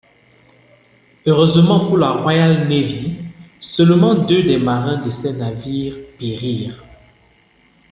Heureusement pour la Royal Navy, seulement deux des marins de ces navires périrent.